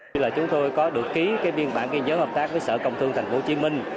khi chúng tôi có được ký biên bản ghi nhớ hợp tác với sở công thương tp hcm